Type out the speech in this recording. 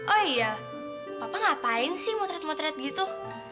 oh iya papa ngapain sih motret motret gitu